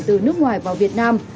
từ nước ngoài vào việt nam